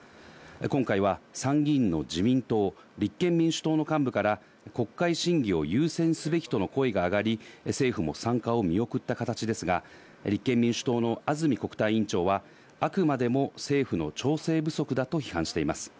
今回は参議院の自民党、立憲民主党の幹部から国会審議を優先すべきとの声が上がり、政府も参加を見送った形ですが、立憲民主党の安住国対委員長はあくまでも政府の調整不足だと批判しています。